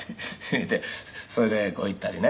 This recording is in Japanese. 言うてそれでこう行ったりね」